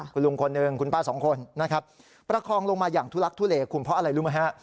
คุณลุงคนหนึ่งคุณป้าสองคนนะครับประคองลงมาอย่างทุลักทุเลคุณเพราะอะไรรู้ไหมฮะ